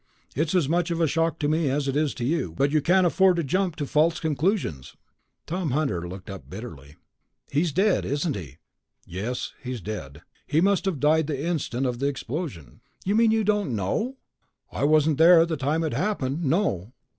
"It's as much of a shock to me as it is to you, but you can't afford to jump to false conclusions...." Tom Hunter looked up bitterly. "He's dead, isn't he?" "Yes, he's dead. He must have died the instant of the explosion...." "You mean you don't know?" "I wasn't there at the time it happened, no."